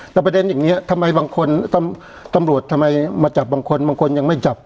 แต่ประเด็นอย่างนี้ทำไมบางคนตำรวจทำไมมาจับบางคนบางคนยังไม่จับ